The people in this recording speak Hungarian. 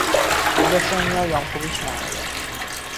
Édesanyja Jankovics Mária.